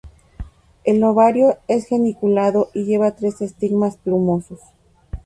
El ovario es geniculado y lleva tres estigmas plumosos.